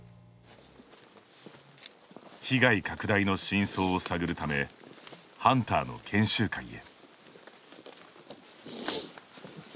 被害拡大の真相を探るためハンターの研修会へ。